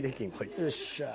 よっしゃあ。